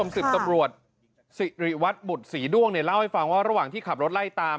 สิบตำรวจสิริวัตรบุตรศรีด้วงเนี่ยเล่าให้ฟังว่าระหว่างที่ขับรถไล่ตาม